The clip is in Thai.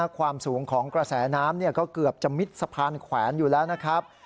ความสูงของกระแสน้ำก็เกือบจะมิดสะพานแขวนอยู่แล้วนะครับ